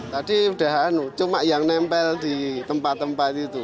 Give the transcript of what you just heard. tadi udah cuma yang nempel di tempat tempat itu